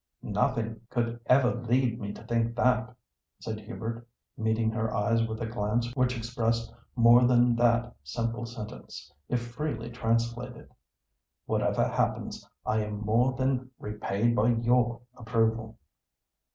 "Nothing could ever lead me to think that," said Hubert meeting her eyes with a glance which expressed more than that simple sentence, if freely translated. "Whatever happens, I am more than repaid by your approval."